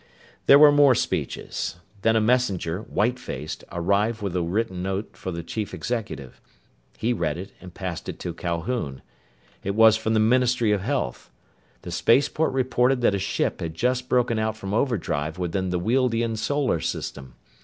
There were more speeches. Then a messenger, white faced, arrived with a written note for the chief executive. He read it and passed it to Calhoun. It was from the Ministry of Health. The spaceport reported that a ship had just broken out from overdrive within the Wealdian solar system.